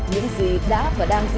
những gì đã và đã không được